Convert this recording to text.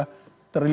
ini uang kartal